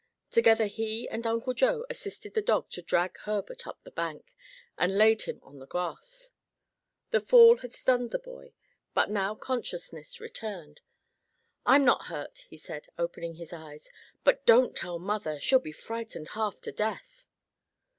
Together he and Uncle Joe assisted the dog to drag Herbert up the bank, and laid him on the grass. The fall had stunned the boy, but now consciousness returned. "I'm not hurt," he said, opening his eyes. "But don't tell mother: she'd be frightened half to death."